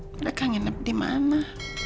mereka nginep di mana